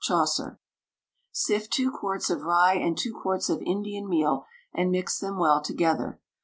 CHAUCER. Sift two quarts of rye, and two quarts of Indian meal, and mix them well together.